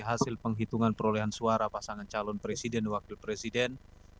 hasil penghitungan perolehan suara pasangan calon presiden dan wakil presiden